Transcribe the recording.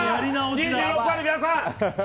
２６％の皆さん！